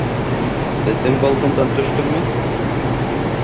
Беҙҙең балкондан төштөңмө?!